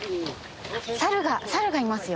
サルがサルがいますよ。